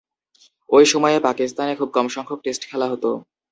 ঐ সময়ে পাকিস্তানে খুব কমসংখ্যক টেস্ট খেলা হতো।